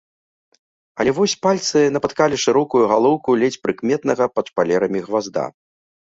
Але вось пальцы напаткалі шырокую галоўку ледзь прыкметнага пад шпалерамі гвазда.